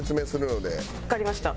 わかりました。